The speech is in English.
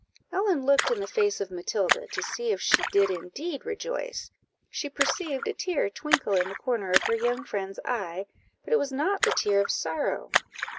Ellen looked in the face of Matilda, to see if she did indeed rejoice; she perceived a tear twinkle in the corner of her young friend's eye, but it was not the tear of sorrow.